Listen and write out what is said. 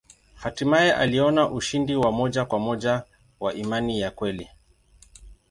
Hatimaye aliona ushindi wa moja kwa moja wa imani ya kweli.